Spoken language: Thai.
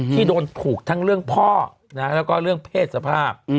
ที่โดนถูกทั้งเรื่องพ่อแล้วก็เรื่องเพศสภาพ